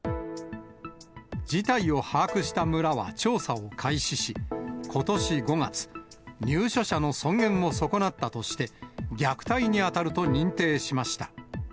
事態を把握した村は、調査を開始し、ことし５月、入所者の尊厳を損なったとして、虐待に当たると認定しました。